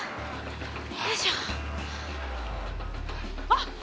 あっ！